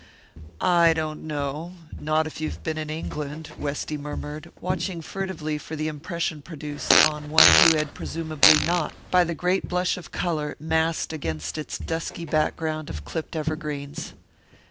"I don't know not if you've been in England," Westy murmured, watching furtively for the impression produced, on one who had presumably not, by the great blush of colour massed against its dusky background of clipped evergreens.